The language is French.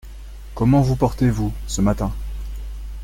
Comment vous portez-vous, ce matin ?…